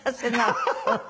ハハハハ。